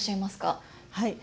はい。